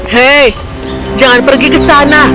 hei jangan pergi ke sana